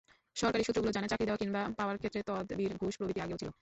সরকারি সূত্রগুলো জানায়, চাকরি দেওয়া কিংবা পাওয়ার ক্ষেত্রে তদবির, ঘুষ প্রভৃতি আগেও ছিল।